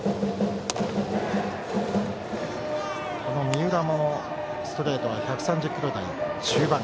三浦もストレートは１３０キロ台中盤。